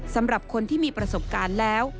สำหรับคนที่มีประสบการณ์แล้ว